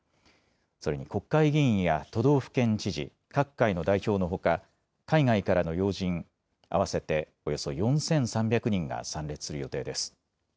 それに国会議員や都道府県知事、各界の代表のほか、海外からの要人合わせておよそ４３００人が参列する予定です。